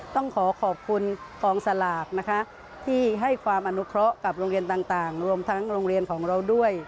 ต้องขอขอบคุณกองสลากนะคะที่ให้ความอนุเคราะห์กับโรงเรียนต่างรวมทั้งโรงเรียนของเราด้วย